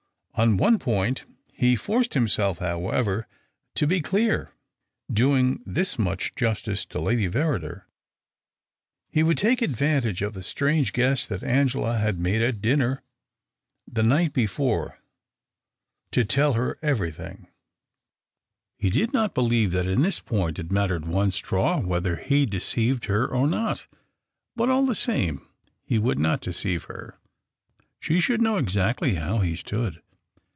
On one point he forced himself, however, to be clear — doing this much justice to Lady Verri der. He would take advantage of the strange THE OCTAVE OF CLAUDIUS. 183 yuess that Angela had made at dinner the light before to tell her everything. He did lot l)elieve that in this point it mattered one itraw whether he deceived her or not, but all ;he same he would not deceive her. She ihould know exactly how he stood.